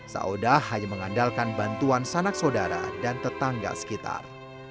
sauda hanya mengandalkan bantuan sanak saudara dan tetangga sekitar